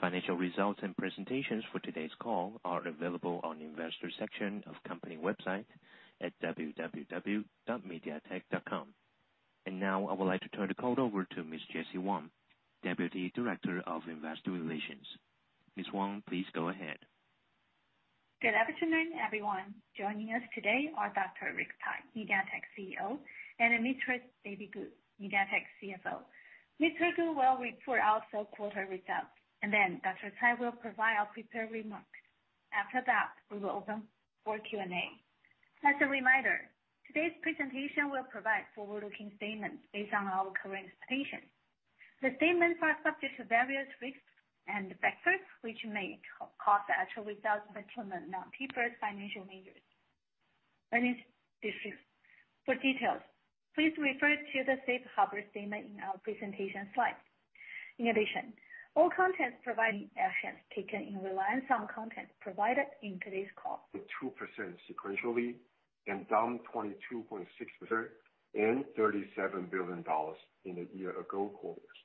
Financial results and presentations for today's call are available on the Investor Section of company website at www.mediatek.com. Now I would like to turn the call over to Ms. Jessie Wang, Deputy Director of Investor Relations. Ms. Wang, please go ahead. Good afternoon, everyone. Joining us today are Dr. Rick Tsai, MediaTek's CEO, and Mr. David Ku, MediaTek's CFO. Mr. Ku will report our third quarter results, and then Dr. Tsai will provide our prepared remarks. After that, we will open for Q&A. As a reminder, today's presentation will provide forward-looking statements based on our current expectations. The statements are subject to various risks and factors, which may cause the actual results to differ from the non-GAAP financial measures and uncertainties. For details, please refer to the safe harbor statement in our presentation slide. In addition, all content providing actions taken in reliance on content provided in today's call. 2% sequentially and down 22.6% and $37 billion in the year-ago quarters.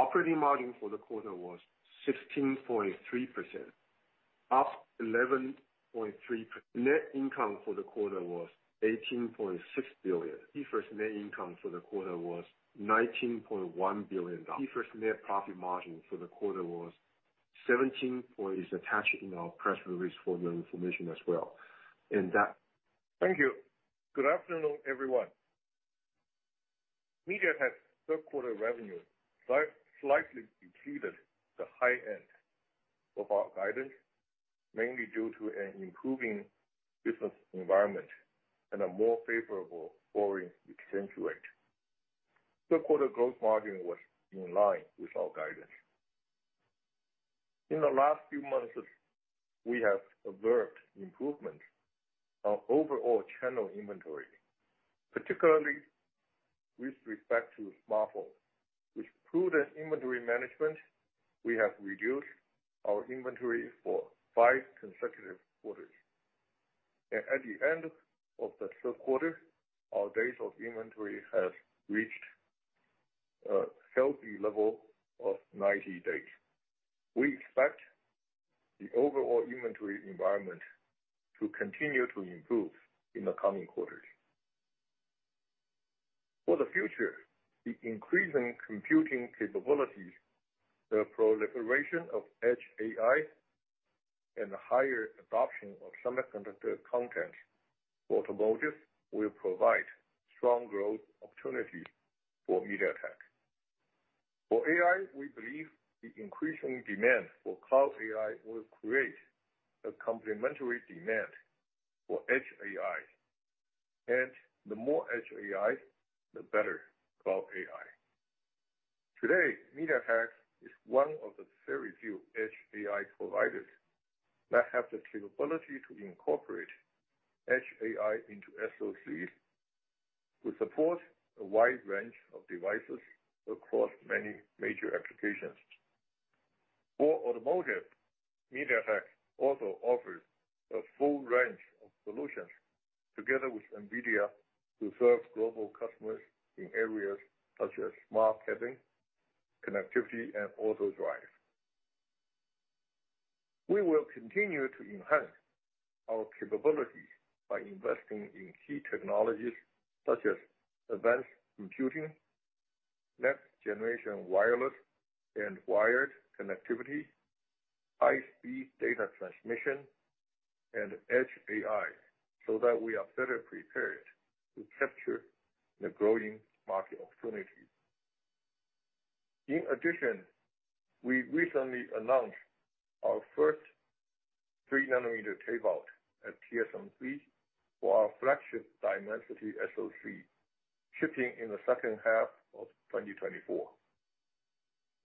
Operating margin for the quarter was 16.3%, up 11.3 per. Net income for the quarter was $18.6 billion. First net income for the quarter was $19.1 billion. The first net profit margin for the quarter was 17% is attached in our press release for your information as well. Thank you. Good afternoon, everyone. MediaTek's third quarter revenue slightly exceeded the high end of our guidance, mainly due to an improving business environment and a more favorable foreign exchange rate. Third-quarter growth margin was in line with our guidance. In the last few months, we have observed improvement on overall channel inventory, particularly with respect to smartphone. With prudent inventory management, we have reduced our inventory for five consecutive quarters. At the end of the third quarter, our days of inventory have reached a healthy level of 90 days. We expect the overall inventory environment to continue to improve in the coming quarters. For the future, the increasing computing capabilities, the proliferation of edge AI, and the higher adoption of semiconductor content, automotive will provide strong growth opportunities for MediaTek. For AI, we believe the increasing demand for cloud AI will create a complementary demand for edge AI. The more edge AI, the better cloud AI. Today, MediaTek is one of the very few edge AI providers that have the capability to incorporate edge AI into SoC, to support a wide range of devices across many major applications. For automotive, MediaTek also offers a full range of solutions together with NVIDIA, to serve global customers in areas such as smart cabin, connectivity, and auto drive. We will continue to enhance our capabilities by investing in key technologies such as advanced computing, next generation wireless and wired connectivity, high speed data transmission, and edge AI, so that we are better prepared to capture the growing market opportunities. In addition, we recently announced our first 3nm tape-out at TSMC for our flagship Dimensity SoC, shipping in the second half of 2024.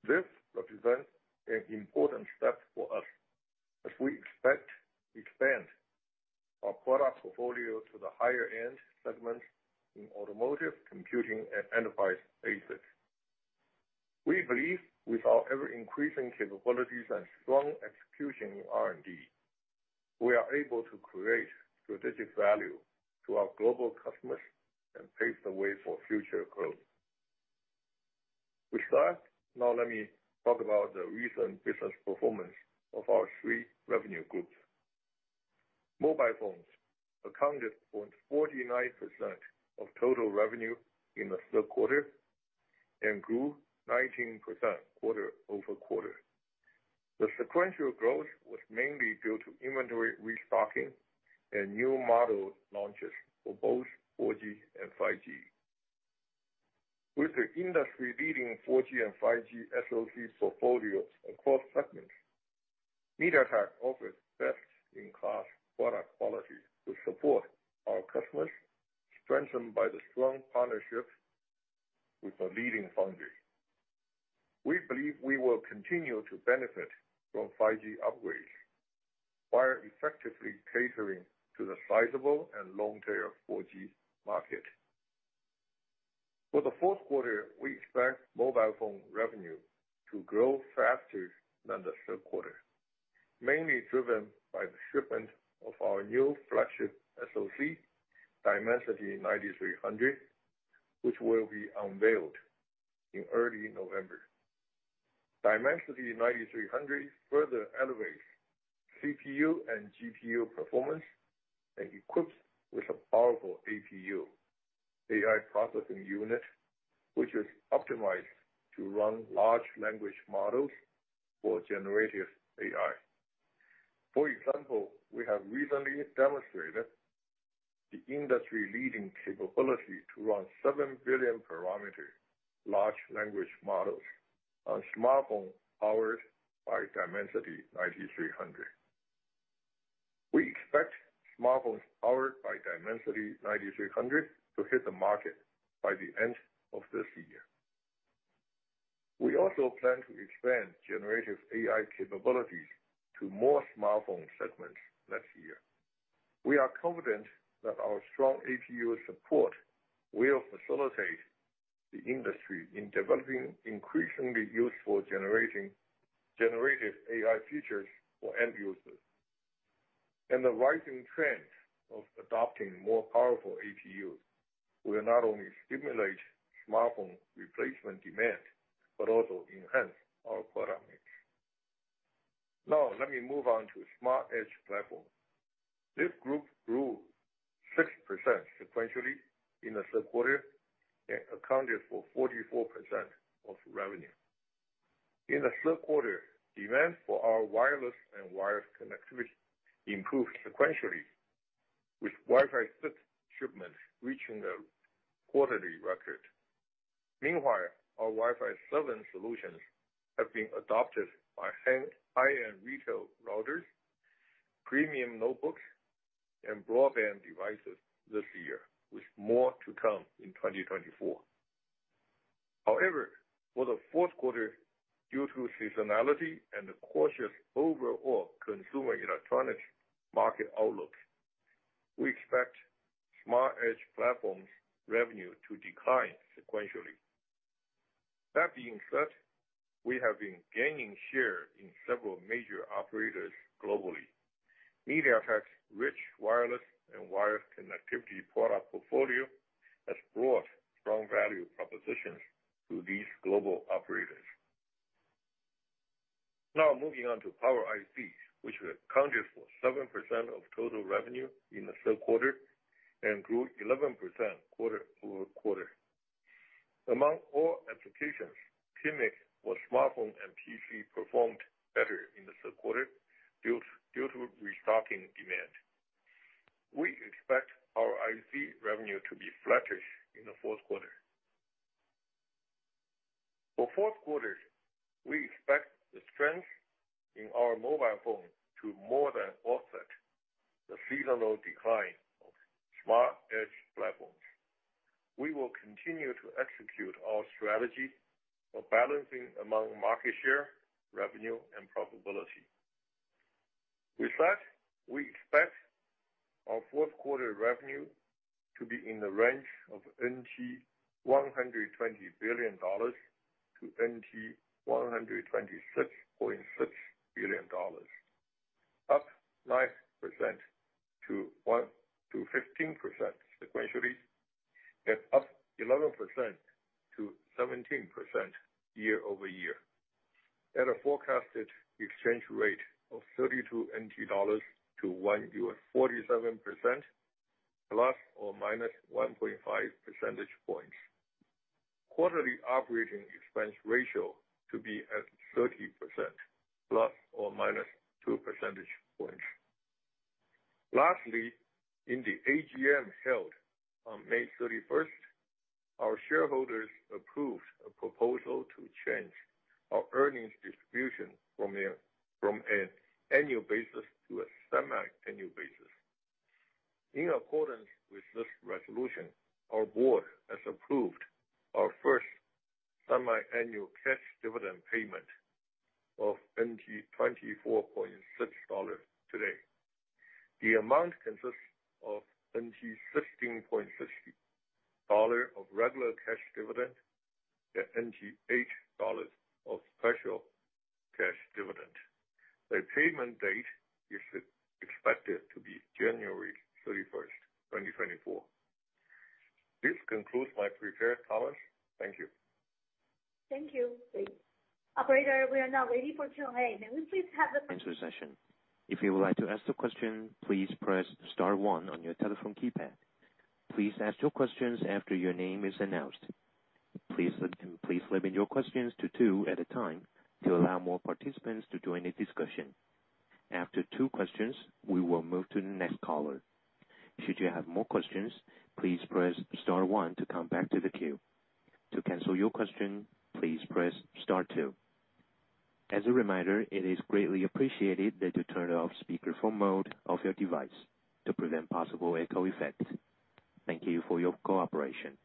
This represents an important step for us as we expect to expand our product portfolio to the higher end segments in automotive, computing, and enterprise ASICs. We believe with our ever-increasing capabilities and strong execution in R&D, we are able to create strategic value to our global customers and pave the way for future growth. With that, now let me talk about the recent business performance of our three revenue groups. Mobile phones accounted for 49% of total revenue in the third quarter and grew 19% quarter-over-quarter. The sequential growth was mainly due to inventory restocking and new model launches for both 4G and 5G. With the industry-leading 4G and 5G SoC portfolios across segments, MediaTek offers best-in-class product quality to support our customers, strengthened by the strong partnerships with the leading foundries. We believe we will continue to benefit from 5G upgrades, while effectively catering to the sizable and long tail 4G market. For the fourth quarter, we expect mobile phone revenue to grow faster than the third quarter, mainly driven by the shipment of our new flagship SoC, Dimensity 9300, which will be unveiled in early November. Dimensity 9300 further elevates CPU and GPU performance and equips with a powerful APU, AI processing unit, which is optimized to run large language models for generative AI. For example, we have recently demonstrated the industry-leading capability to run 7 billion parameter large language models on smartphone powered by Dimensity 9300. We expect smartphones powered by Dimensity 9300 to hit the market by the end of this year. We also plan to expand generative AI capabilities to more smartphone segments next year. We are confident that our strong APU support will facilitate the industry in developing increasingly useful generative AI features for end users. The rising trend of adopting more powerful APUs will not only stimulate smartphone replacement demand, but also enhance our product mix. Now, let me move on to Smart Edge platform. This group grew 6% sequentially in the third quarter and accounted for 44% of revenue. In the third quarter, demand for our wireless and wired connectivity improved sequentially, with Wi-Fi 6 shipments reaching a quarterly record. Meanwhile, our Wi-Fi 7 solutions have been adopted by high-end retail routers, premium notebooks, and broadband devices this year, with more to come in 2024. However, for the fourth quarter, due to seasonality and the cautious overall consumer electronics market outlook, we expect Smart Edge platforms revenue to decline sequentially. That being said, we have been gaining share in several major operators globally. MediaTek's rich, wireless and wired connectivity product portfolio has brought strong value propositions to these global operators. Now, moving on to Power ICs, which accounted for 7% of total revenue in the third quarter and grew 11% quarter-over-quarter. Among all applications, PMIC for smartphone and PC performed better in the third quarter, due to restocking demand. We expect our IC revenue to be flattish in the fourth quarter. For fourth quarter, we expect the strength in our mobile phone to more than offset the seasonal decline of Smart Edge platforms. We will continue to execute our strategy of balancing among market share, revenue, and profitability. With that, we expect our fourth quarter revenue to be in the range of NTD 120 billion-NTD 126.6 billion, up 9%-15% sequentially, and up 11%-17% year-over-year. At a forecasted exchange rate of 32 NTD to 1 USD, 47%, ±1.5 percentage points. Quarterly operating expense ratio to be at 30%, ±2 percentage points. Lastly, in the AGM held on May 31st, our shareholders approved a proposal to change our earnings distribution from an annual basis to a semiannual basis. In accordance with this resolution, our board has approved our first semiannual cash dividend payment of NTD 24.6 today. The amount consists of NTD 16.6 of regular cash dividend and NTD 8 of special cash dividend. The payment date is expected to be January 31, 2024. This concludes my prepared comments. Thank you. Thank you. Operator, we are now ready for Q&A. May we please have the- -answer session. If you would like to ask the question, please press star one on your telephone keypad. Please ask your questions after your name is announced. Please, please limit your questions to two at a time to allow more participants to join the discussion. After two questions, we will move to the next caller. Should you have more questions, please press star one to come back to the queue. To cancel your question, please press star two. As a reminder, it is greatly appreciated that you turn off speakerphone mode of your device to prevent possible echo effects. Thank you for your cooperation.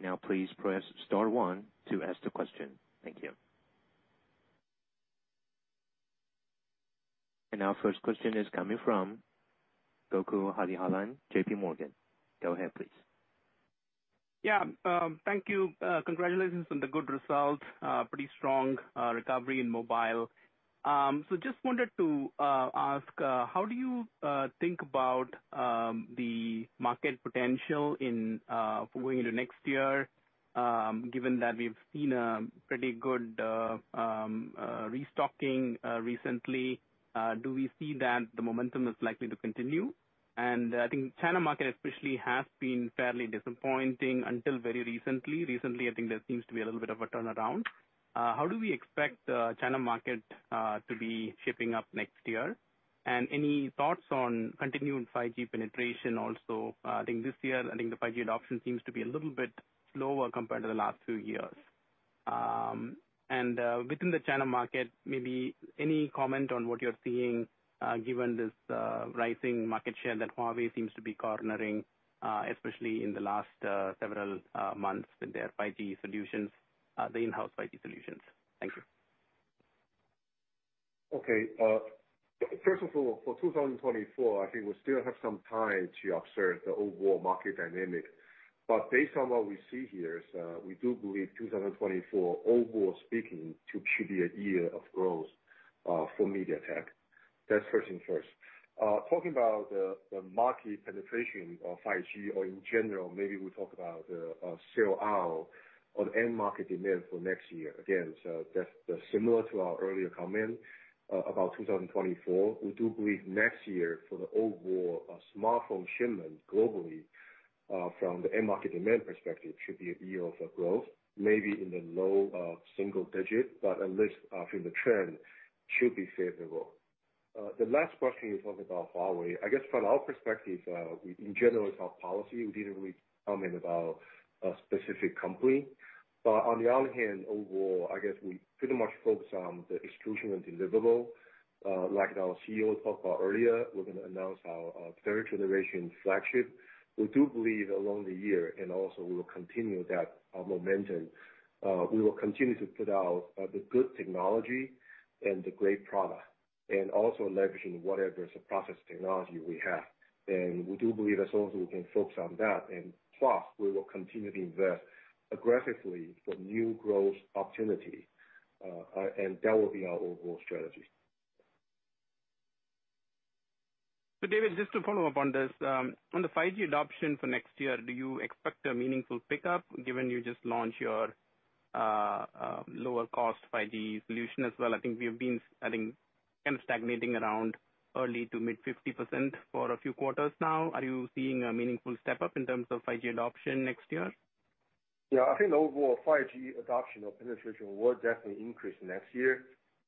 Now, please press star one to ask the question. Thank you. And our first question is coming from Gokul Hariharan, JPMorgan. Go ahead, please. Yeah, thank you. Congratulations on the good results. Pretty strong recovery in mobile. So just wanted to ask how do you think about the market potential in going into next year, given that we've seen a pretty good restocking recently? Do we see that the momentum is likely to continue? And I think China market especially has been fairly disappointing until very recently. Recently, I think there seems to be a little bit of a turnaround. How do we expect the China market to be shaping up next year? And any thoughts on continuing 5G penetration also? I think this year, I think the 5G adoption seems to be a little bit slower compared to the last two years. Within the China market, maybe any comment on what you're seeing, given this rising market share that Huawei seems to be cornering, especially in the last several months with their 5G solutions, the in-house 5G solutions? Thank you. Okay. First of all, for 2024, I think we still have some time to observe the overall market dynamic. But based on what we see here is, we do believe 2024, overall speaking, to be a year of growth, for MediaTek. That's first things first. Talking about the market penetration of 5G or in general, maybe we talk about sell out on end market demand for next year. Again, so that's similar to our earlier comment about 2024. We do believe next year for the overall smartphone shipment globally, from the end market demand perspective, should be a year of growth, maybe in the low single digit, but at least from the trend should be favorable. The last question, you talked about Huawei. I guess from our perspective, in general, it's our policy, we didn't really comment about a specific company. But on the other hand, overall, I guess we pretty much focus on the execution and deliverable. Like our CEO talked about earlier, we're going to announce our third generation flagship. We do believe along the year, and also we will continue that momentum. We will continue to put out the good technology and the great product, and also leveraging whatever process technology we have. And we do believe as long as we can focus on that, and plus, we will continue to invest aggressively for new growth opportunity, and that will be our overall strategy. So, David, just to follow up on this, on the 5G adoption for next year, do you expect a meaningful pickup, given you just launched your, lower cost 5G solution as well? I think we have been, I think, kind of stagnating around early to mid-50% for a few quarters now. Are you seeing a meaningful step up in terms of 5G adoption next year? Yeah, I think the overall 5G adoption or penetration will definitely increase next year.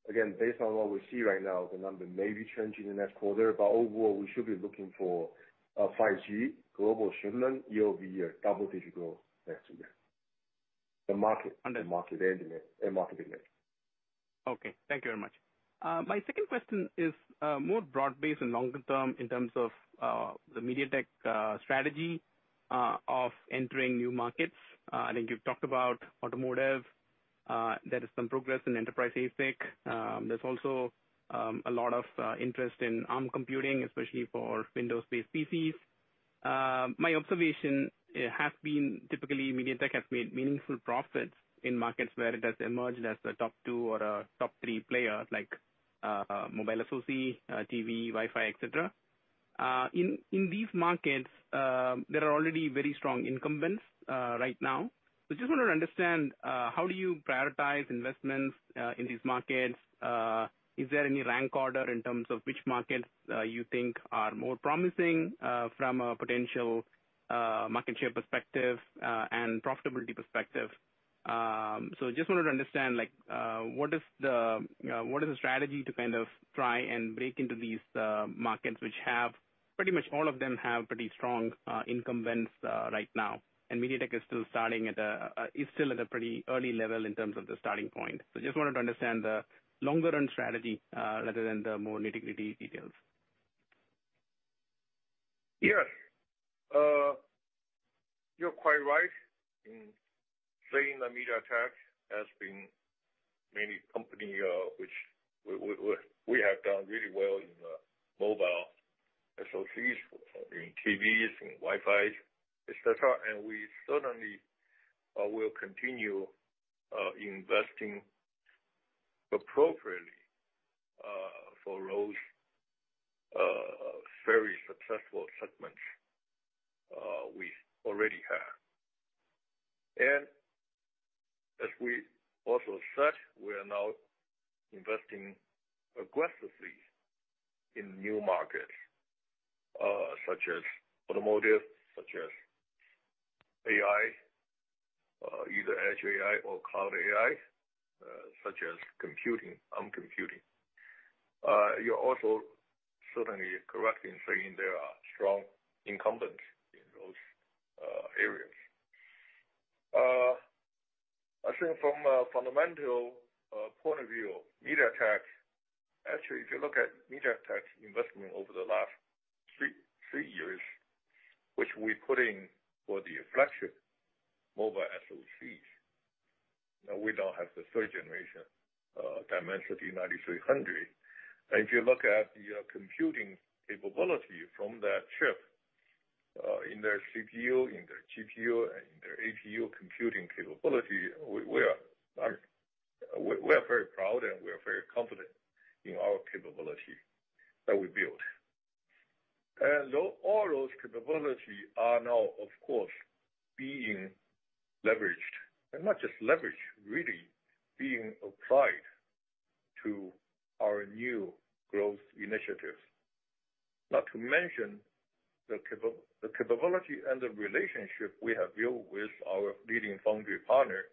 Again, based on what we see right now, the number may be changing in next quarter, but overall, we should be looking for a 5G global shipment year-over-year, double-digit growth next year. The market, the market end demand and market demand. Okay, thank you very much. My second question is more broad-based and longer term in terms of the MediaTek strategy of entering new markets. I think you've talked about automotive. There is some progress in enterprise ASIC. There's also a lot of interest in Arm computing, especially for Windows-based PCs. My observation, it has been typically, MediaTek has made meaningful profits in markets where it has emerged as a top two or a top three player, like mobile SoC, TV, Wi-Fi, et cetera. In these markets, there are already very strong incumbents right now. So I just wanted to understand how do you prioritize investments in these markets? Is there any rank order in terms of which markets you think are more promising from a potential market share perspective and profitability perspective? So just wanted to understand, like, what is the, what is the strategy to kind of try and break into these markets, which have pretty much all of them have pretty strong incumbents right now, and MediaTek is still starting at a, is still at a pretty early level in terms of the starting point. So just wanted to understand the longer-run strategy rather than the more nitty-gritty details. Yes. You're quite right in saying that MediaTek has been mainly company, which we have done really well in, mobile SoCs, in TVs, in Wi-Fi, et cetera. We certainly will continue investing appropriately for those very successful segments we already have. As we also said, we are now investing aggressively in new markets, such as automotive, such as AI, either edge AI or cloud AI, such as ARM computing. You're also certainly correct in saying there are strong incumbents in those areas. I think from a fundamental point of view, MediaTek. Actually, if you look at MediaTek's investment over the last three years, which we put in for the flagship mobile SoCs. Now we don't have the third generation, Dimensity 9300. If you look at the computing capability from that chip in their CPU, in their GPU, and in their APU computing capability, we are very proud and we are very confident in our capability that we built. And though all those capability are now, of course, being leveraged, and not just leveraged, really being applied to our new growth initiatives. Not to mention the capability and the relationship we have built with our leading foundry partner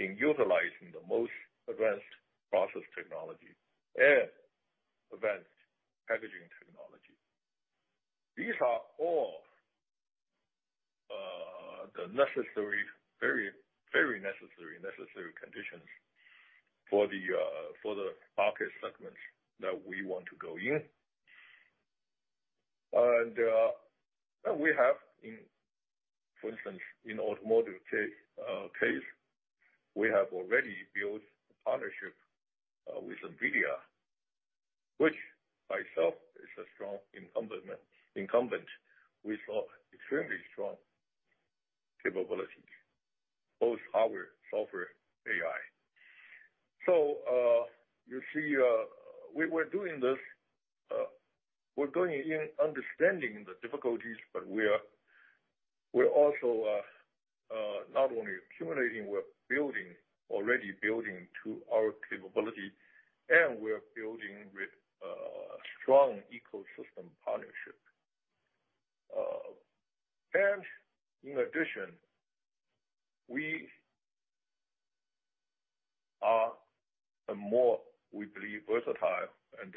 in utilizing the most advanced process technology and advanced packaging technology. These are all the necessary, very, very necessary conditions for the market segments that we want to go in. We have, for instance, in automotive case, we have already built a partnership with NVIDIA, which by itself is a strong incumbent with extremely strong capabilities, both hardware, software, AI. So, you see, we were doing this, we're going in understanding the difficulties, but we are, we're also not only accumulating, we're building, already building to our capability, and we're building with strong ecosystem partnership. And in addition, we are a more, we believe, versatile and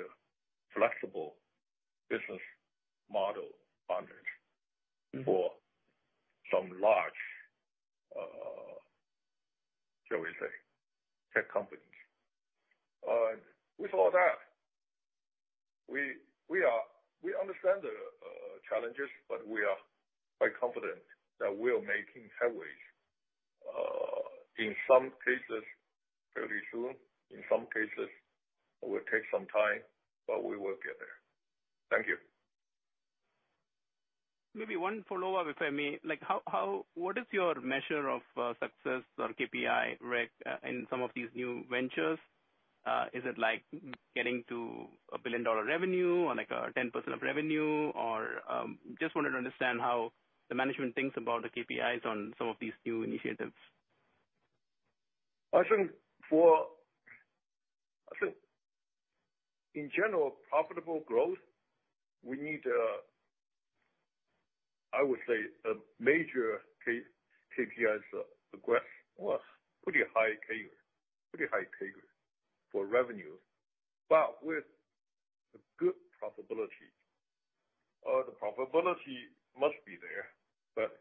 flexible business model partner for some large, shall we say, tech companies. With all that, we understand the challenges, but we are quite confident that we are making headway in some cases, very soon. In some cases, it will take some time, but we will get there. Thank you. Maybe one follow-up, if I may. Like, how... What is your measure of success or KPI, Rick, in some of these new ventures? Is it like getting to a billion-dollar revenue or like 10% of revenue? Or just wanted to understand how the management thinks about the KPIs on some of these new initiatives. I think in general, profitable growth, we need. I would say a major KPIs, progress was pretty high CAGR, pretty high CAGR for revenue, but with a good profitability. The profitability must be there, but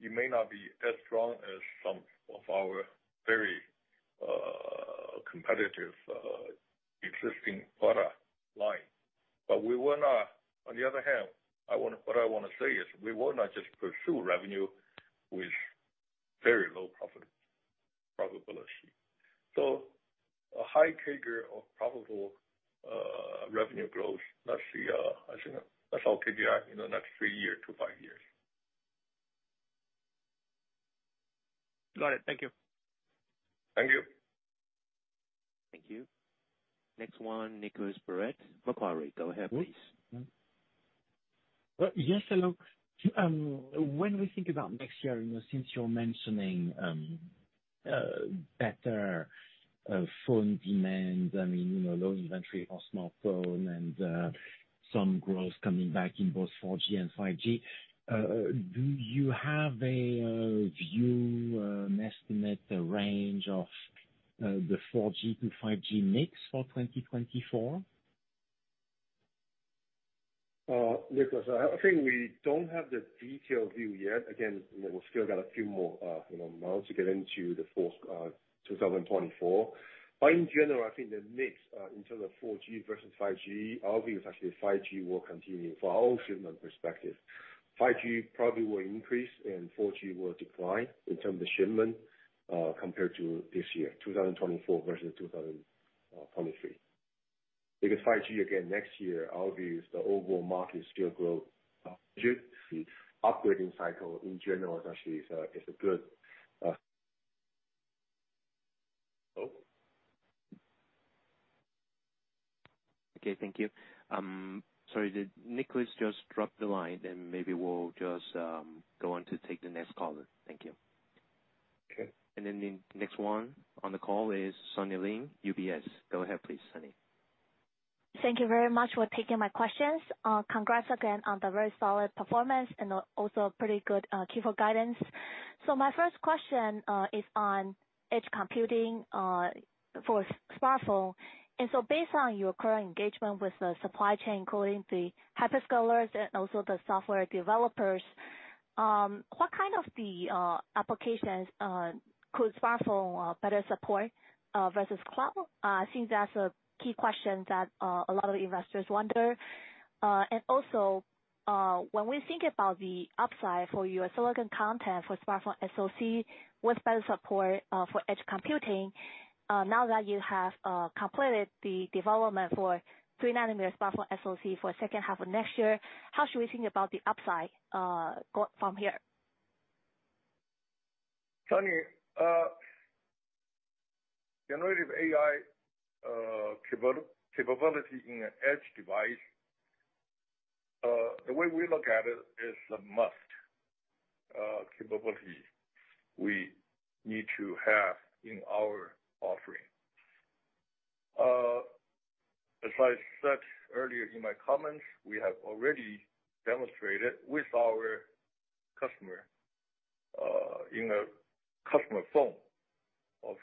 it may not be as strong as some of our very competitive existing product line. But we will not. On the other hand, what I want to say is, we will not just pursue revenue with very low profit probability. So a high CAGR of profitable revenue growth, that's the. I think that's our KPI in the next three year to five years. Got it. Thank you. Thank you. Thank you. Next one, Nicolas Baratte, Macquarie. Go ahead, please. Well, yes, hello. When we think about next year, you know, since you're mentioning better phone demand, I mean, you know, low inventory for smartphone and some growth coming back in both 4G and 5G. Do you have a view, an estimate, the range of the 4G to 5G mix for 2024? Nicolas, I think we don't have the detailed view yet. Again, you know, we've still got a few more, you know, months to get into the fourth 2024. But in general, I think the mix in terms of 4G versus 5G, our view is actually 5G will continue. From our own shipment perspective, 5G probably will increase and 4G will decline in terms of shipment compared to this year, 2024 versus 2023. Because 5G, again, next year, our view is the overall market still grow. Upgrading cycle, in general, actually is a good. Okay, thank you. Sorry, did Nicolas just drop the line? Then maybe we'll just go on to take the next caller. Thank you. Okay. And then the next one on the call is Sunny Lin, UBS. Go ahead, please, Sunny. Thank you very much for taking my questions. Congrats again on the very solid performance and also pretty good Q4 guidance. So my first question is on edge computing for smartphone. And so based on your current engagement with the supply chain, including the hyperscalers and also the software developers, what kind of the applications could smartphone better support versus cloud? I think that's a key question that a lot of investors wonder. And also when we think about the upside for your silicon content for smartphone SoC, with better support for edge computing, now that you have completed the development for 3nm smartphone SoC for second half of next year, how should we think about the upside go from here? Sunny, Generative AI capability in an edge device, the way we look at it is a must capability we need to have in our offering. As I said earlier in my comments, we have already demonstrated with our customer, in a customer phone of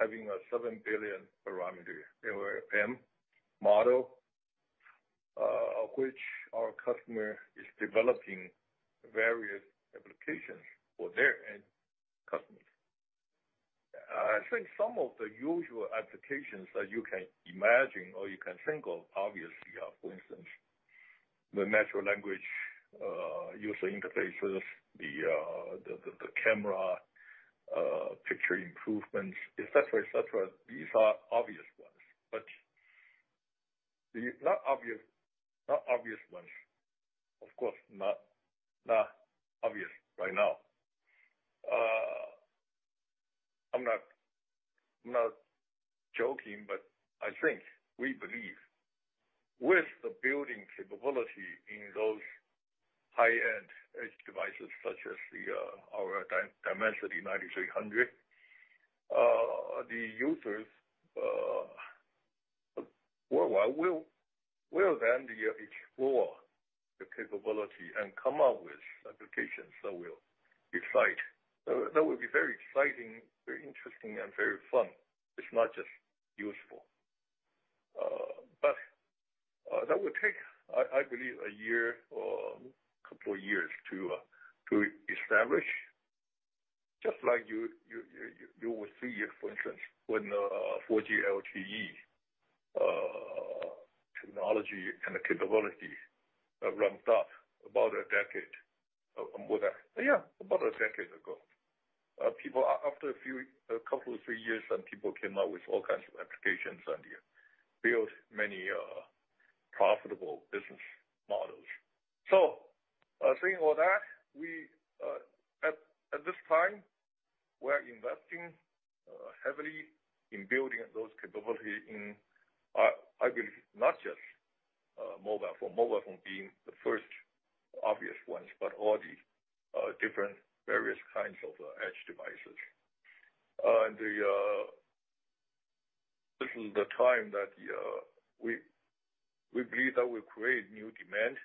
having a 7 billion parameter LLM model, of which our customer is developing various applications for their end customers. I think some of the usual applications that you can imagine or you can think of, obviously, are, for instance, the natural language user interfaces, the camera picture improvements, et cetera, et cetera. These are obvious ones, but the not obvious ones, of course, not obvious right now. I'm not joking, but I think we believe with the building capability in those high-end edge devices, such as our Dimensity 9300, the users worldwide will then explore the capability and come up with applications that will excite. That will be very exciting, very interesting, and very fun. It's not just useful. But that will take, I believe, a year or couple of years to establish, just like you will see, for instance, when 4G LTE technology and the capability ramped up about a decade, more than yeah, about a decade ago. People, after a few, a couple of three years, some people came out with all kinds of applications and built many profitable business models. So saying all that, we, at this time, we're investing heavily in building those capability in, I believe, not just mobile phone. Mobile phone being the first obvious ones, but all the different various kinds of edge devices. And this is the time that we believe that will create new demand,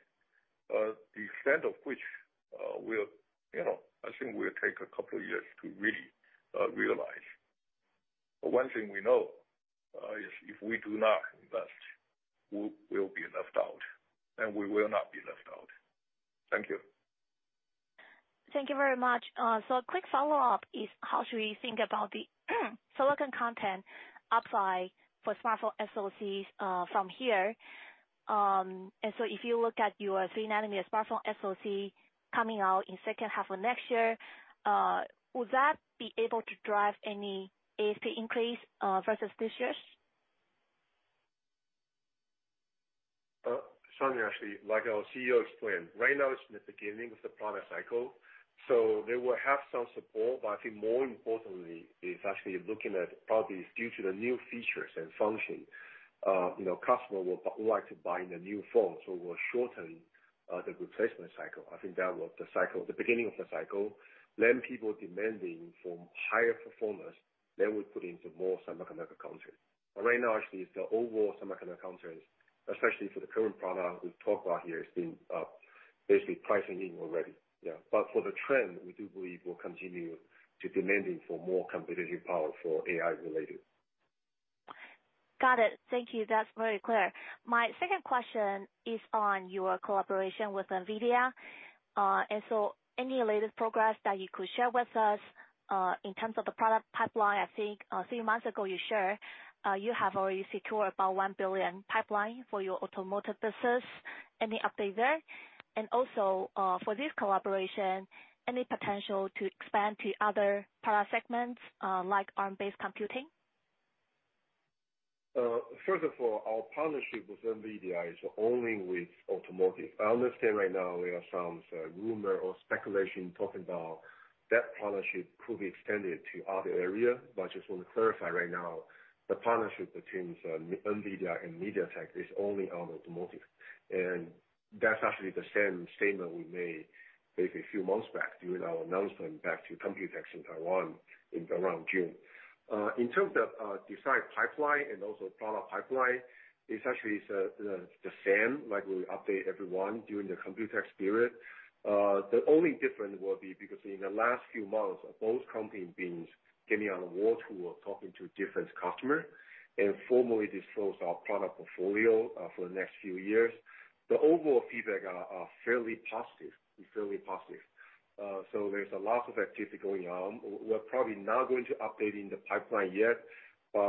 the extent of which will, you know, I think will take a couple of years to really realize. But one thing we know is if we do not invest, we'll be left out, and we will not be left out. Thank you. Thank you very much. So a quick follow-up is: how should we think about the silicon content upside for smartphone SoCs from here? And so if you look at your 3-nm smartphone SoC coming out in second half of next year, would that be able to drive any ASP increase versus this year? Sunny, actually, like our CEO explained, right now it's in the beginning of the product cycle, so they will have some support. But I think more importantly is actually looking at probably due to the new features and function, you know, customer will like to buy the new phone, so will shorten, the replacement cycle. I think that was the cycle, the beginning of the cycle. Then people demanding for higher performance, then we put into more semiconductor content. But right now, actually, it's the overall semiconductor content, especially for the current product we've talked about here, has been, basically pricing in already. Yeah. But for the trend, we do believe we'll continue to demanding for more competitive power for AI related. Got it. Thank you. That's very clear. My second question is on your collaboration with NVIDIA. And so any latest progress that you could share with us, in terms of the product pipeline? I think, three months ago, you shared, you have already secured about $1 billion pipeline for your automotive business. Any update there? And also, for this collaboration, any potential to expand to other product segments, like ARM-based computing? First of all, our partnership with NVIDIA is only with automotive. I understand right now there are some, rumor or speculation talking about that partnership could be extended to other area. But I just want to clarify right now, the partnership between, NVIDIA and MediaTek is only on automotive, and that's actually the same statement we made maybe a few months back during our announcement back to Computex in Taiwan, in around June. In terms of, design pipeline and also product pipeline, it's actually the same like we update everyone during the Computex period. The only difference will be because in the last few months, both companies been getting on the wall tour, talking to different customer and formally disclose our product portfolio, for the next few years. The overall feedback are fairly positive. It's fairly positive. So there's a lot of activity going on. We're probably not going to update in the pipeline yet, but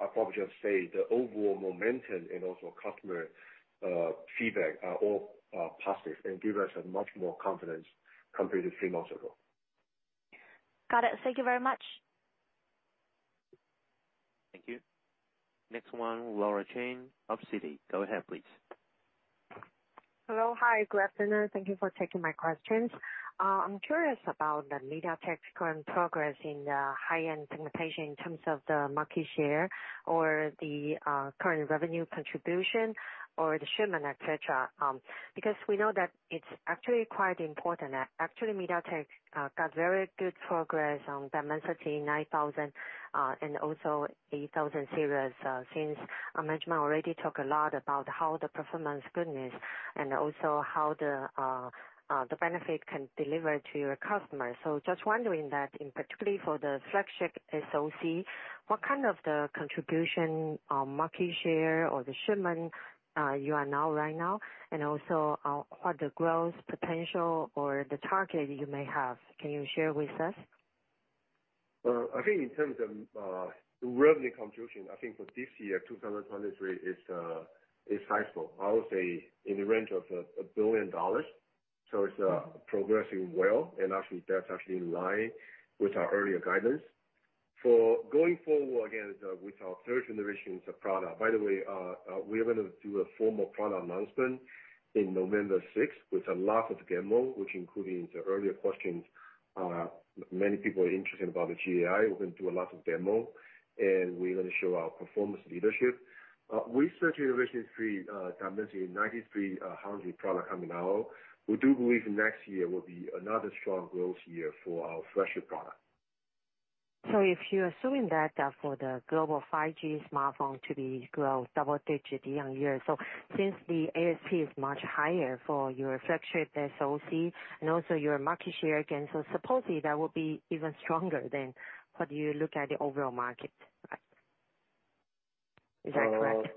I'll probably just say the overall momentum and also customer feedback are all positive and give us much more confidence compared to three months ago. Got it. Thank you very much. Thank you. Next one, Laura Chen of Citi. Go ahead, please. Hello. Hi, good afternoon. Thank you for taking my questions. I'm curious about MediaTek's current progress in the high-end segmentation in terms of the market share or the current revenue contribution, or the shipment, et cetera. Because we know that it's actually quite important. Actually, MediaTek got very good progress on Dimensity 9000, and also 8000 series, since our management already talked a lot about how the performance good is, and also how the benefit can deliver to your customers. So just wondering that, in particularly for the flagship SoC, what kind of the contribution or market share or the shipment you are now, right now, and also what the growth potential or the target you may have? Can you share with us? I think in terms of the revenue contribution, I think for this year, 2023, is [high single]. I would say in the range of $1 billion. It's progressing well, and actually that's actually in line with our earlier guidance. For going forward, again, with our third generation product. By the way, we are gonna do a formal product announcement in November 6th, with a lot of demo, which including the earlier questions, many people are interested about the GAI. We're gonna do a lot of demo, and we're gonna show our performance leadership. With third generation three, Dimensity 9300 product coming out, we do believe next year will be another strong growth year for our flagship product. So if you're assuming that, for the global 5G smartphone to be grow double digit on year, so since the ASP is much higher for your flagship SoC and also your market share again, so supposedly that would be even stronger than what you look at the overall market, right? Is that correct?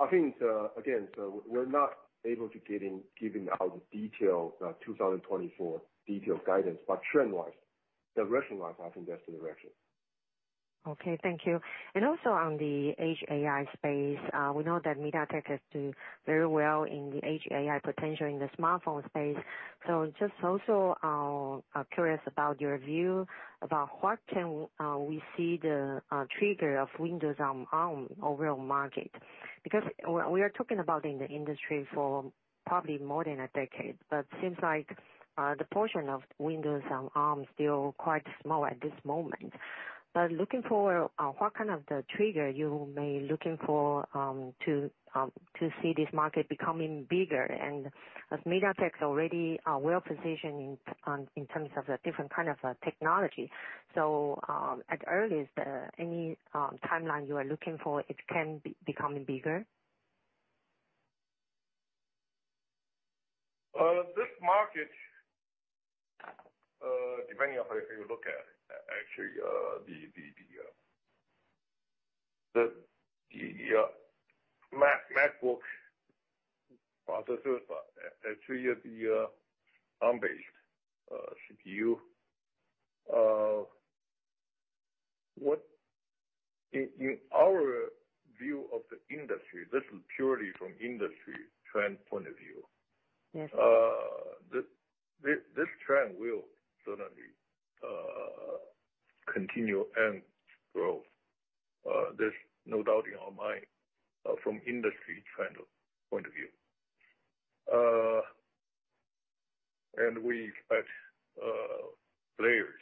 I think, again, so we're not able to get in, giving out the detail, 2024 detail guidance, but trend wise, direction wise, I think that's the direction. Okay. Thank you. And also on the edge AI space, we know that MediaTek has done very well in the edge AI potential in the smartphone space. So just also, I'm curious about your view about what can we see the trigger of Windows on ARM overall market? Because we are talking about in the industry for probably more than a decade, but seems like the portion of Windows on ARM is still quite small at this moment. But looking for what kind of the trigger you may looking for to see this market becoming bigger? And as MediaTek already well-positioned in, on, in terms of the different kind of technology. So, at earliest, any timeline you are looking for it can be becoming bigger? This market, depending on how you look at it, actually, the MacBook processors are actually the ARM-based CPU. In our view of the industry, this is purely from industry trend point of view. Yes. This trend will certainly continue and grow. There's no doubt in our mind from industry trend point of view. We expect players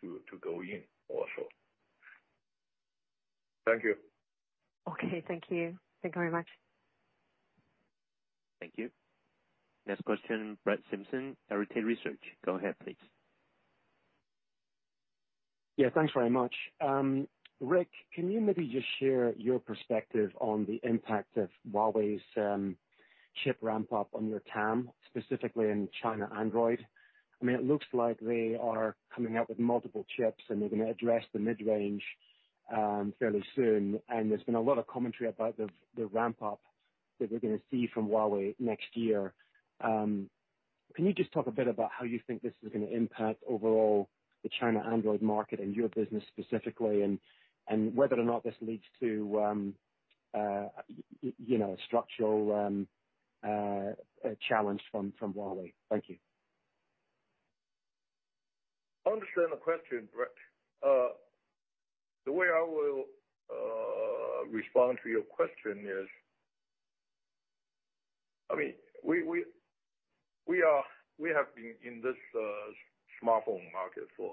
to go in also. Thank you. Okay. Thank you. Thank you very much. Thank you. Next question, Brett Simpson, Arete Research. Go ahead, please. Yeah, thanks very much. Rick, can you maybe just share your perspective on the impact of Huawei's chip ramp up on your TAM, specifically in China, Android? I mean, it looks like they are coming out with multiple chips, and they're going to address the mid-range fairly soon. And there's been a lot of commentary about the ramp up that we're gonna see from Huawei next year. Can you just talk a bit about how you think this is gonna impact overall the China Android market and your business specifically, and whether or not this leads to you know, structural a challenge from Huawei? Thank you. I understand the question, Brett. The way I will respond to your question is, I mean, we are - we have been in this smartphone market for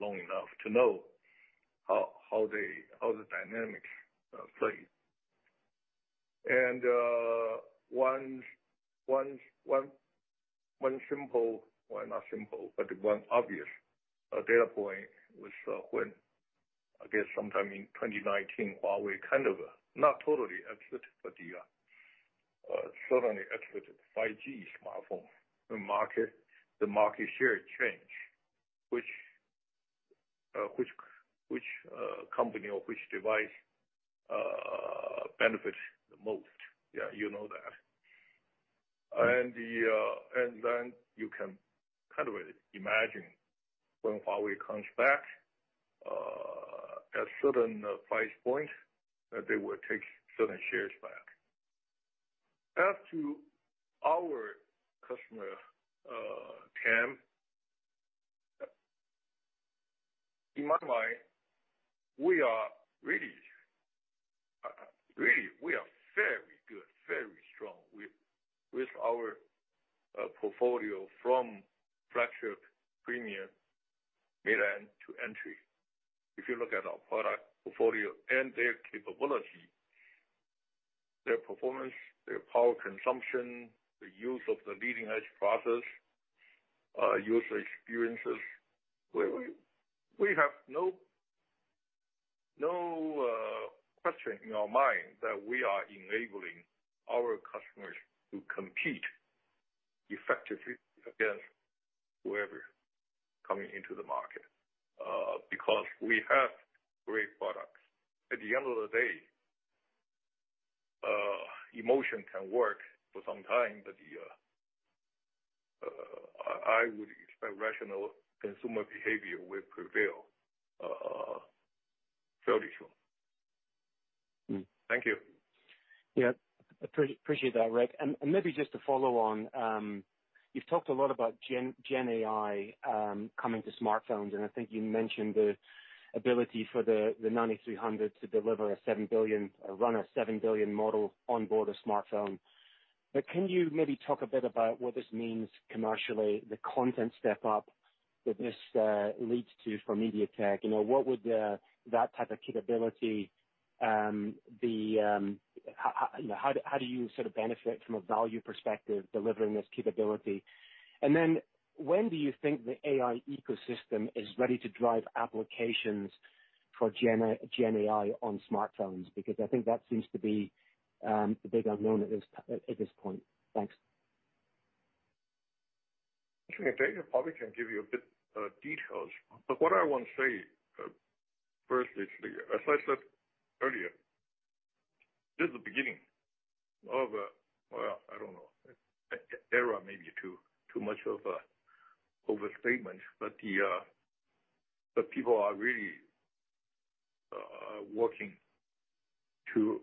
long enough to know how the dynamics play. And one simple, well, not simple, but one obvious data point was when, I guess, sometime in 2019, Huawei kind of, not totally exit, but certainly exited 5G smartphone market. The market share change, which company or which device benefits the most. Yeah, you know that. And then you can kind of imagine when Huawei comes back at certain price points, that they will take certain shares back. As to our customer term, in my mind, we are really, really, we are very good, very strong with our portfolio from flagship, premium, mid-end to entry. If you look at our product portfolio and their capability, their performance, their power consumption, the use of the leading edge process, user experiences, we have no question in our mind that we are enabling our customers to compete effectively against whoever coming into the market, because we have great products. At the end of the day, emotion can work for some time, but I would expect rational consumer behavior will prevail, fairly sure. Thank you. Yeah. Appreciate that, Rick. And maybe just to follow on, you've talked a lot about Gen AI coming to smartphones, and I think you mentioned the ability for the 9300 to deliver a 7 billion, run a 7 billion model on board a smartphone. But can you maybe talk a bit about what this means commercially, the content step up that this leads to for MediaTek? You know, what would that type of capability, the how, you know, how do you sort of benefit from a value perspective, delivering this capability? And then, when do you think the AI ecosystem is ready to drive applications for Gen AI on smartphones? Because I think that seems to be the big unknown at this point. Thanks. Actually, David probably can give you a bit details, but what I want to say, firstly, as I said earlier, this is the beginning of, well, I don't know, era may be too much of a overstatement. But people are really, working to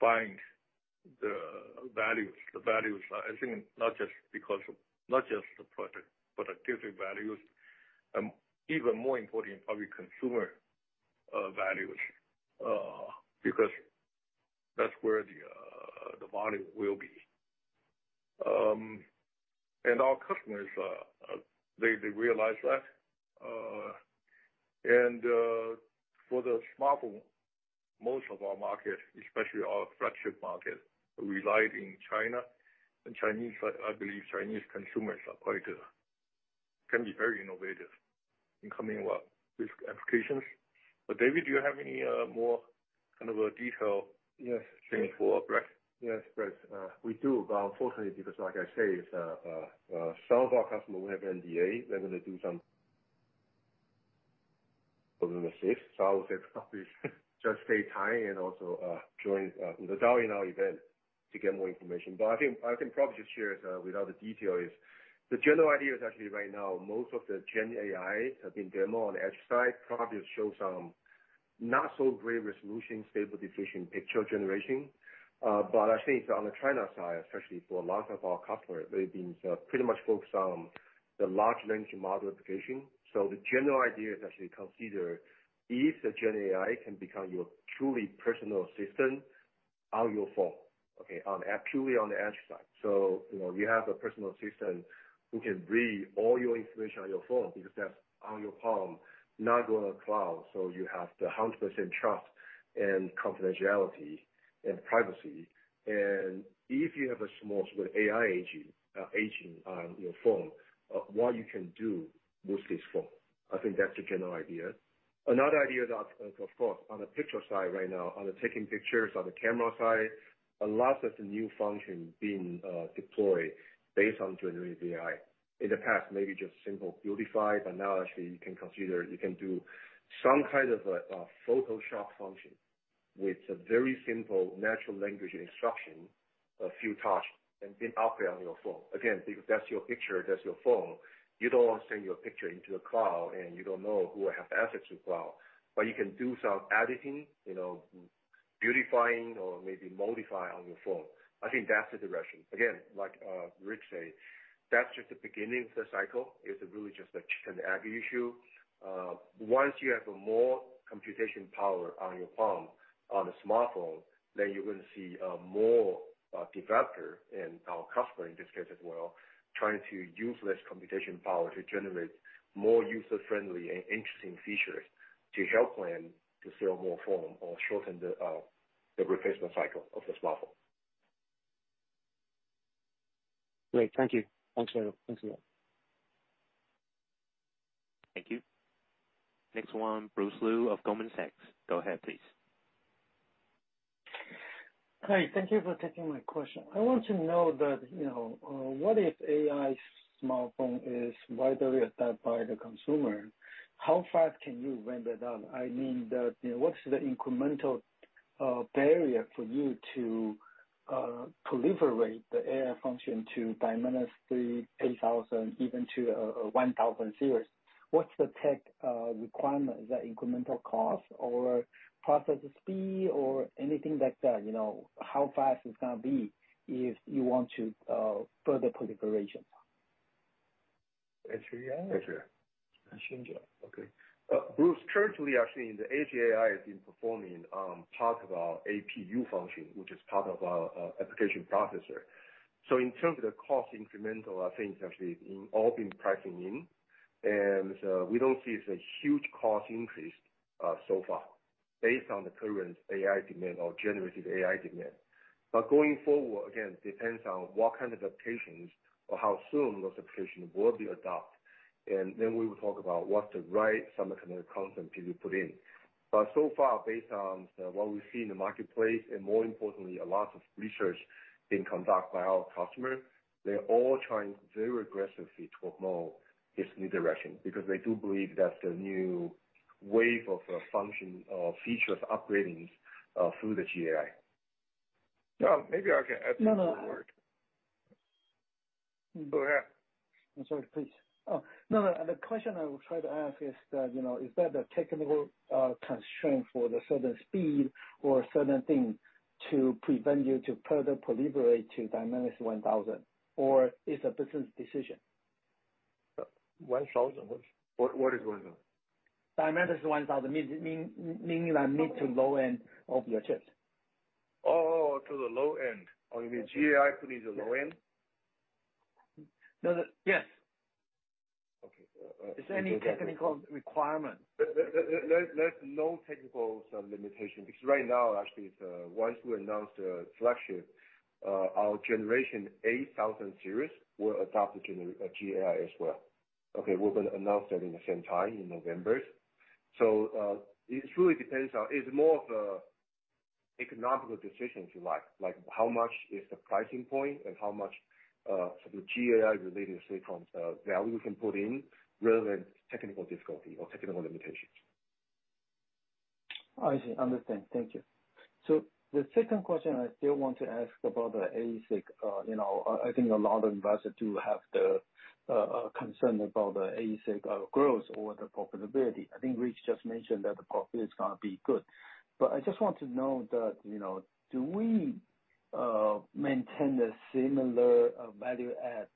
find the values. The values, I think, not just because of, not just the product, but different values, even more important, probably consumer, values, because that's where the value will be. And our customers, they realize that. And, for the smartphone, most of our market, especially our flagship market, reside in China. And Chinese, I, I believe Chinese consumers are quite, can be very innovative in coming with rich applications. But David, do you have any, more kind of a detail thing for Brett? Yes, Brett, we do, but unfortunately, because like I say, it's some of our customers, we have NDA, we're gonna do some so I would say probably just stay tuned and also join dial in our event to get more information. But I think I can probably just share without the detail is, the general idea is actually right now, most of the Gen AI have been demoed on the edge side, probably show some not so great resolution, Stable Diffusion, picture generation. But I think on the China side, especially for a lot of our customers, they've been pretty much focused on the large language model application. So the general idea is actually consider if the Gen AI can become your truly personal assistant on your phone, okay? Purely on the edge side. So, you know, you have a personal assistant who can read all your information on your phone, because that's on your palm, not go on the cloud, so you have the 100% trust and confidentiality and privacy. And if you have a small sort of AI agent, agent on your phone, what you can do with this phone? I think that's the general idea. Another idea that, of course, on the picture side right now, on the taking pictures, on the camera side, a lot of the new functions being, deployed based on generative AI. In the past, maybe just simple beautify, but now actually you can consider, you can do some kind of a, a Photoshop function with a very simple natural language instruction, a few touch, and then operate on your phone. Again, because that's your picture, that's your phone. You don't want to send your picture into a cloud, and you don't know who will have access to cloud. But you can do some editing, you know, beautifying or maybe modify on your phone. I think that's the direction. Again, like, Rick said, that's just the beginning of the cycle. It's really just a chicken and egg issue. Once you have a more computation power on your palm, on a smartphone, then you will see, more, developer and our customer in this case as well, trying to use less computation power to generate more user-friendly and interesting features to help plan to sell more phone or shorten the replacement cycle of the smartphone. Great. Thank you. Thanks a lot. Thanks a lot. Thank you. Next one, Bruce Lu of Goldman Sachs. Go ahead, please. Hi, thank you for taking my question. I want to know that, you know, what if AI smartphone is widely adopted by the consumer? How fast can you render that? I mean that, you know, what's the incremental barrier for you to proliferate the AI function to Dimensity 8000, even to 1000 series? What's the tech requirement, the incremental cost or process speed or anything like that? You know, how fast it's gonna be if you want to further proliferation? Okay. Bruce, currently, actually, the edge AI has been performing part of our APU function, which is part of our application processor. So in terms of the cost incremental, I think actually all been pricing in, and we don't see it's a huge cost increase so far, based on the current AI demand or generative AI demand. But going forward, again, depends on what kind of applications or how soon those applications will be adopted, and then we will talk about what the right semiconductor content can be put in. But so far, based on what we see in the marketplace, and more importantly, a lot of research being conducted by our customer, they're all trying very aggressively to explore this new direction, because they do believe that the new wave of function features upgrading through the GAI. Well, maybe I can add a few words. No, no. Go ahead. I'm sorry. Please. Oh, no, no. The question I will try to ask is that, you know, is that a technical constraint for the certain speed or certain thing to prevent you to further proliferate to Dimensity 1000, or it's a business decision? What is 1000? Dimensity 1000, meaning the mid-to-low end of your chips. Oh, to the low end. Oh, you mean GAI to the low end? No. Yes. Okay. Is there any technical requirement? There's no technical sort of limitation, because right now, actually, once we announce the flagship, our generation 8000 series will adopt the GenAI as well. Okay, we're gonna announce that at the same time, in November. So, it really depends on, it's more of an economic decision, if you like. Like, how much is the price point and how much the GenAI-related value you can put in, rather than technical difficulty or technical limitations. I see. Understand. Thank you. So the second question I still want to ask about the ASIC, you know, I think a lot of investors do have the concern about the ASIC growth or the profitability. I think Rick just mentioned that the profit is gonna be good. But I just want to know that, you know, do we maintain a similar value add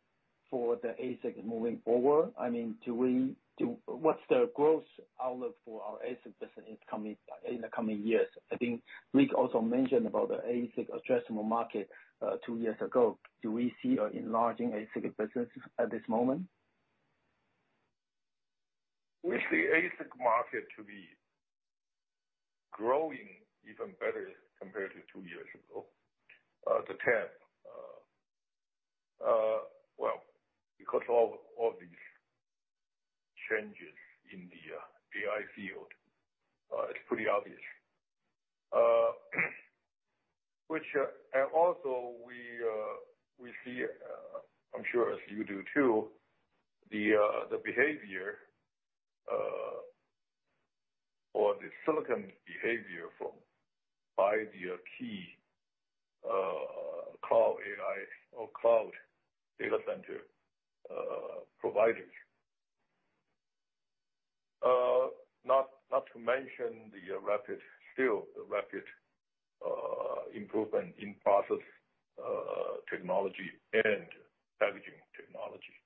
for the ASIC moving forward? I mean, do we, what's the growth outlook for our ASIC business in coming, in the coming years? I think Rick also mentioned about the ASIC addressable market two years ago. Do we see an enlarging ASIC business at this moment? We see ASIC market to be growing even better compared to two years ago. The tempo, well, because of all these changes in the AI field, it's pretty obvious. Which, and also we see, I'm sure as you do too, the, the behavior, or the silicon behavior from the big key cloud AI or cloud data center providers. Not to mention the rapid, still the rapid, improvement in process technology and packaging technology,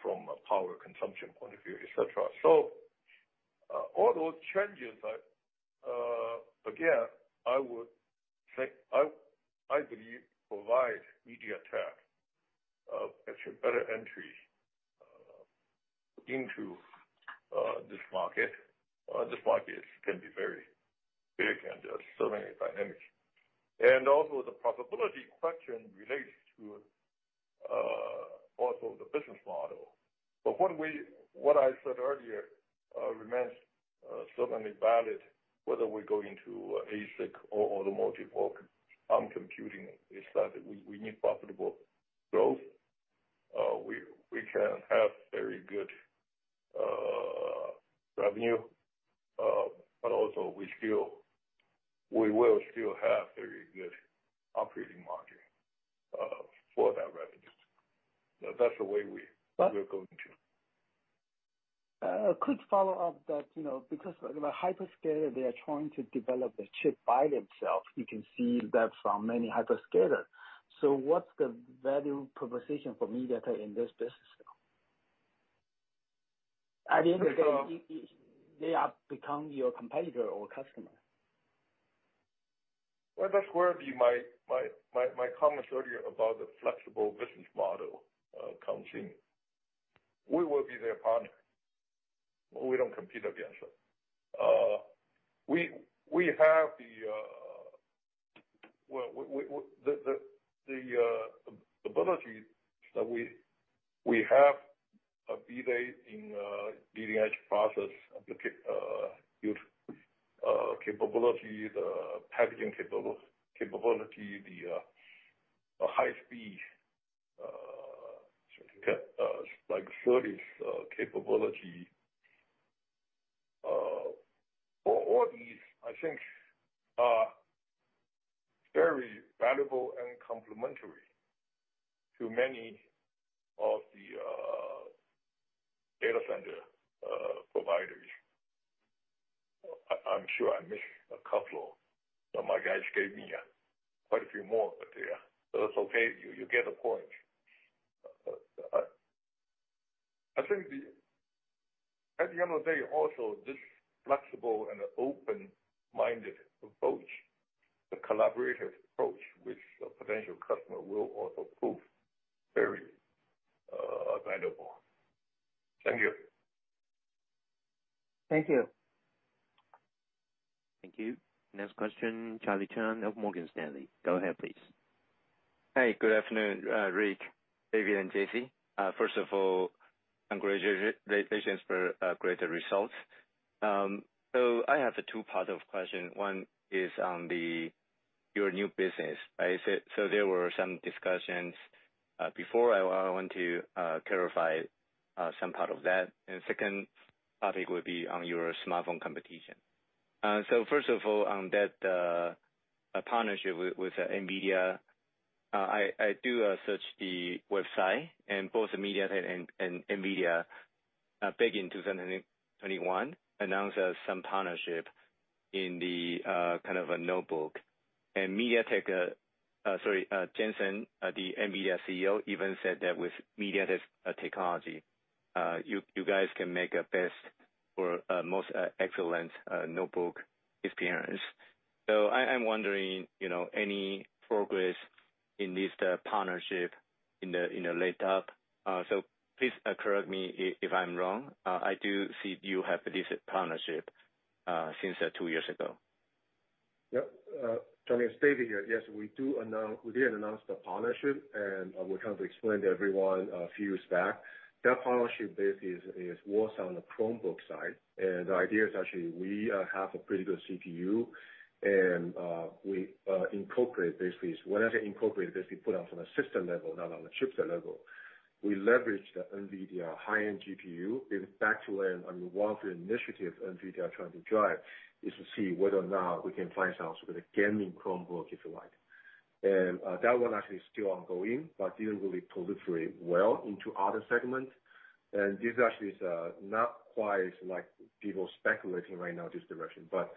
from a power consumption point of view, et cetera. So, all those changes are, again, I would say, I believe, provide MediaTek actually better entry into this market. This market can be very big, and there are so many dynamics. Also, the profitability question relates to also the business model. But what I said earlier remains certainly valid, whether we go into ASIC or automotive or on computing, is that we need profitable growth. We can have very good revenue, but also we will still have very good operating margin for that revenue. That's the way we're going to. A quick follow-up that, you know, because the hyperscaler, they are trying to develop the chip by themselves. You can see that from many hyperscalers. So what's the value proposition for MediaTek in this business now? At the end of the day, they are become your competitor or customer. Well, that's where my comments earlier about the flexible business model comes in. We will be their partner. We don't compete against them. We have the ability that we have in leading-edge process capacity, the packaging capability, the high-speed SerDes capability. All these, I think, are very valuable and complementary to many of the data center providers. I'm sure I missed a couple, but my guys gave me quite a few more, but that's okay. You get the point. I think at the end of the day, also, this flexible and open-minded approach, the collaborative approach, which a potential customer will also prove very valuable. Thank you. Thank you. Thank you. Next question, Charlie Chan of Morgan Stanley. Go ahead, please. Hey, good afternoon, Rick, David, and Jessie. First of all, congratulations for greater results. So I have a two part of question. One is on the your new business, right? So there were some discussions before I want to clarify some part of that. And second topic would be on your smartphone competition. So first of all, on that partnership with NVIDIA, I do search the website and both MediaTek and NVIDIA back in 2021 announced some partnership in the kind of a notebook. And MediaTek, sorry, Jensen, the NVIDIA CEO, even said that with MediaTek's technology, you guys can make a best or most excellent notebook experience. So I'm wondering, you know, any progress in this, the partnership in the NVIDIA? So please correct me if I'm wrong. I do see you have this partnership since two years ago. Yep. Charlie, it's David here. Yes, we do announce- we did announce the partnership, and we're trying to explain to everyone a few years back. That partnership basically is more so on the Chromebook side, and the idea is actually we have a pretty good CPU and we incorporate basically, whenever we incorporate basically put on from a system level, not on the chipset level. We leverage the NVIDIA high-end GPU. In fact, on one of the initiative NVIDIA are trying to drive, is to see whether or not we can find some sort of a gaming Chromebook, if you like. And that one actually is still ongoing, but didn't really proliferate well into other segments. This actually is not quite like people speculating right now, this direction, but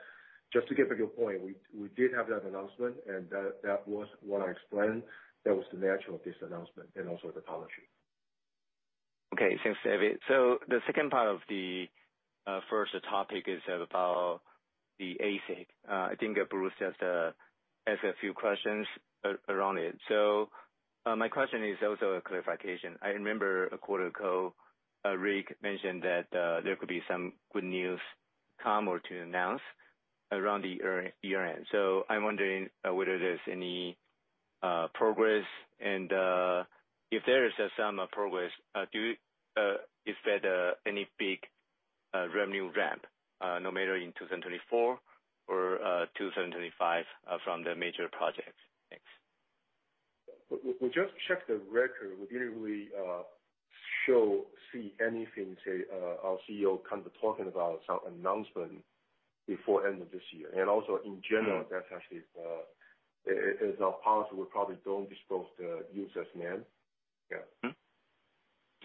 just to get back to your point, we did have that announcement, and that was what I explained. That was the nature of this announcement and also the partnership. Okay, thanks, David. So the second part of the first topic is about the ASIC. I think Bruce has a few questions around it. So, my question is also a clarification. I remember a quarter ago, Rick mentioned that there could be some good news come or to announce around the year-end. So I'm wondering whether there's any progress, and if there is some progress, is there any big revenue ramp, no matter in 2024 or 2025, from the major projects? Thanks. We just checked the record. We didn't really show, see anything, say, our CEO kind of talking about some announcement before end of this year. And also in general, that's actually is not possible. We probably don't disclose the news as yet. Yeah.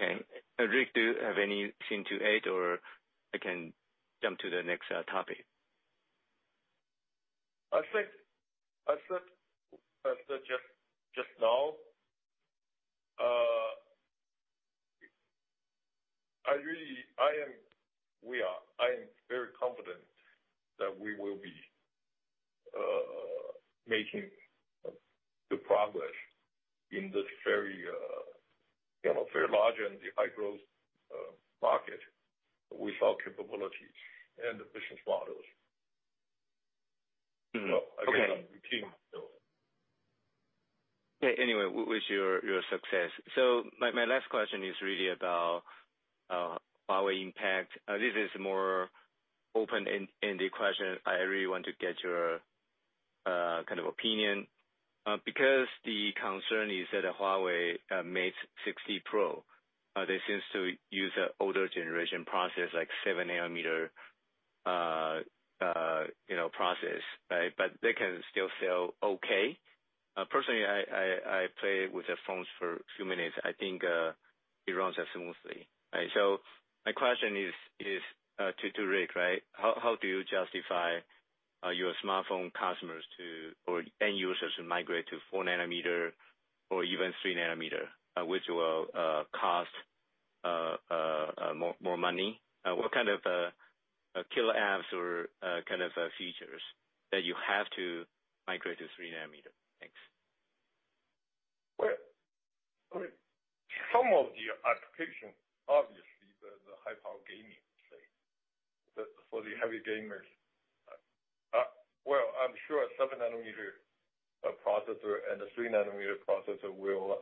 Okay. And Rick, do you have anything to add, or I can jump to the next topic? I think I said just now, I really am very confident that we will be making the progress in this very, you know, very large and the high growth market with our capabilities and the business models. Okay. I think I'm repeating, so. Anyway, wish your success. So my last question is really about Huawei impact. This is more open-ended question. I really want to get your kind of opinion because the concern is that Huawei Mate 60 Pro they seems to use an older generation process, like 7-nm process, you know, right? But they can still sell okay. Personally, I played with the phones for a few minutes. I think it runs out smoothly, right? So my question is to Rick, right? How do you justify your smartphone customers to or end users to migrate to 4 nm or even 3 nm which will cost more money? What kind of killer apps or kind of features that you have to migrate to 3 nm? Thanks. Well, I mean, some of the applications, obviously, the high power gaming place, the, for the heavy gamers. I'm sure a 7-nm processor and a 3-nm processor will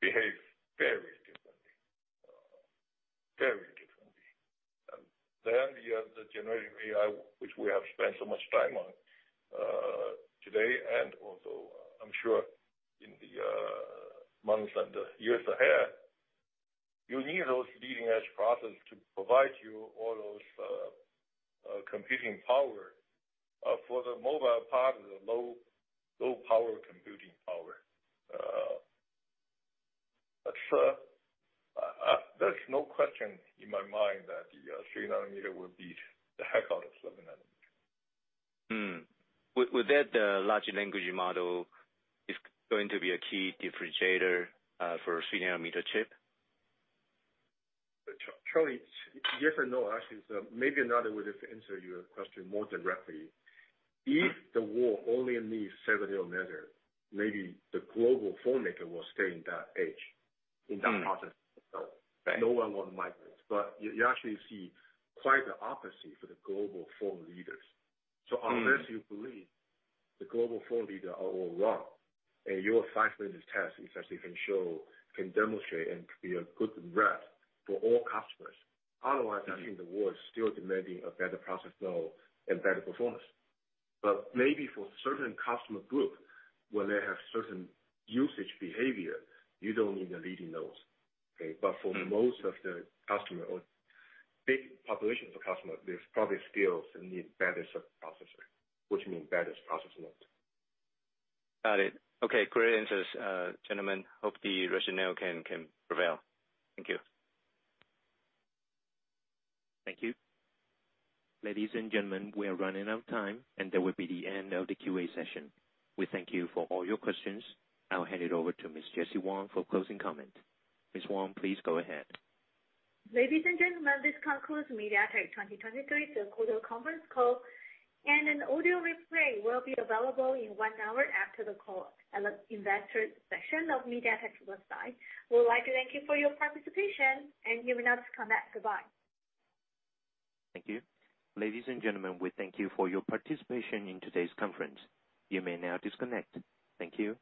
behave very differently. Very differently. Then you have the generative AI, which we have spent so much time on today, and also I'm sure in the months and the years ahead. You need those leading-edge processors to provide you all those computing power for the mobile part of the low, low power computing power. But there's no question in my mind that the 3 nm will beat the heck out of 7 nm. With that, the large language model is going to be a key differentiator for t3 nm chip? Charlie, yes or no, actually, so maybe another way to answer your question more directly. If the world only needs 7 nm, maybe the global phone maker will stay in that age, in that process. Right. No one want to migrate. But you, you actually see quite the opposite for the global phone leaders. So unless you believe the global phone leader are all wrong, and your five minutes test actually can show, can demonstrate, and can be a good rep for all customers, otherwise, I think the world still demanding a better process flow and better performance. But maybe for certain customer group, where they have certain usage behavior, you don't need the leading nodes. Okay? For most of the customer or big populations of customers, there's probably still need better sub-processor, which mean better process node. Got it. Okay, great answers, gentlemen. Hope the rationale can prevail. Thank you. Thank you. Ladies and gentlemen, we are running out of time, and that will be the end of the Q&A session. We thank you for all your questions. I'll hand it over to Miss Jessie Wang for closing comment. Miss Wang, please go ahead. Ladies and gentlemen, this concludes MediaTek 2023, the quarterly conference call, and an audio replay will be available in one hour after the call at the investor section of MediaTek's website. We'd like to thank you for your participation, and you may now disconnect. Goodbye. Thank you. Ladies and gentlemen, we thank you for your participation in today's conference. You may now disconnect. Thank you.